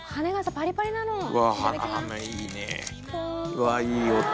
うわいい音。